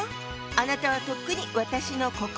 あなたはとっくに私の心の中。